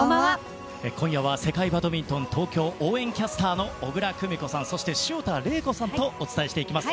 今夜は、世界バドミントン東京応援キャスターの小椋久美子さん、潮田玲子さんとお伝えしていきます。